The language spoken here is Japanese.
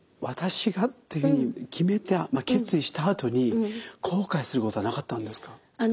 「私が」っていうふうに決めた決意したあとに後悔することはなかったんですか？